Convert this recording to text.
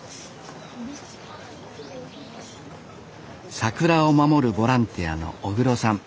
桜を守るボランティアの小黒さん。